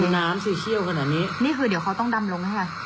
น้ำสีเชี่ยวขนาดนี้นี่คือเดี๋ยวเขาต้องดำลงให้ค่ะ